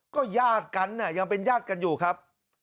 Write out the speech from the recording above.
ก็ญาติกันยังเป็นญาติกันอยู่ครับ